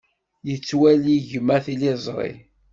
Yettwali gma tiliẓri.